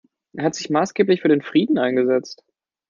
Er hat sich maßgeblich für den Frieden eingesetzt.